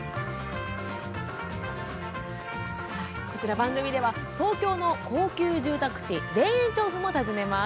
番組では東京の高級住宅地田園調布も訪ねます。